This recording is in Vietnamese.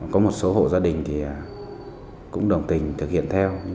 có một số hộ gia đình thì cũng đồng tình thực hiện theo